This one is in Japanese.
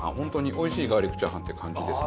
おいしいガーリックチャーハンって感じです。